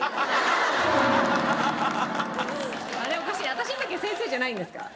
私の時は先生じゃないんですか？